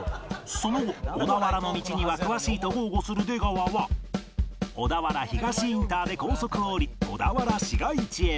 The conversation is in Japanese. その後小田原の道には詳しいと豪語する出川は小田原東インターで高速を降り小田原市街地へ